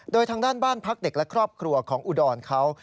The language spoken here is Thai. โดยทางด้านบ้านพักเด็กและครอบครัวของอุดรเขา